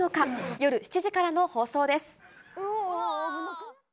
夜７時からの放送です。